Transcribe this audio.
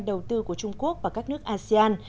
đầu tư của trung quốc và các nước asean